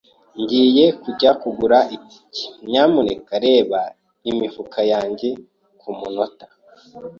Ngiye kujya kugura itike, nyamuneka reba imifuka yanjye kumunota.